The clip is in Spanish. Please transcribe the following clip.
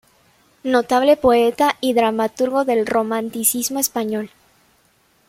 Notable poeta y dramaturgo del romanticismo español.